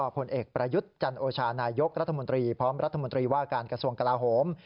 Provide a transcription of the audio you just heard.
ผลเอกประยุทธ์จันโอชานายกรัฐมนตรีพร้อมรัฐมนตรีว่าการกระทรวงกลาโหม